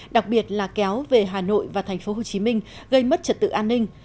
đặc biệt là kéo về hà nội và tp hcm gây mất trật tự an ninh